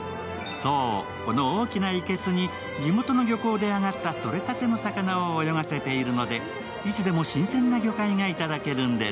そう、この大きな生けすに地元の漁港で揚がったとれたての魚を泳がせているので、いつでも新鮮な魚介が頂けるんです。